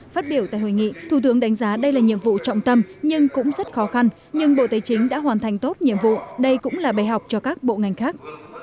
phát biểu tại hội nghị thủ tướng đánh giá đây là nhiệm vụ trọng tâm nhưng cũng rất khó khăn nhưng bộ tài chính đã hoàn thành tốt nhiệm vụ đây cũng là bài học cho các bộ ngành khác